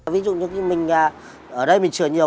ví dụ như mình ở đây mình chờ nhiều